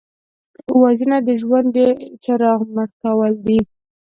وژنه د ژوند د څراغ مړ کول دي